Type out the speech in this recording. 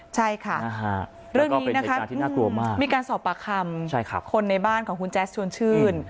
ใช่ค่ะเรื่องนี้นะคะมีการสอบปากคำคนในบ้านของคุณแจ๊สชวนชื่น